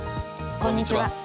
こんにちは。